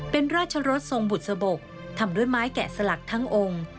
เป็นราชรสทรงบุษบกทำด้วยไม้แกะสลักทั้งองค์